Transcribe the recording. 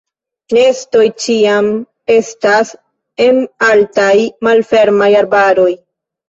Nestoj ĉiam estas en altaj malfermaj arbaroj.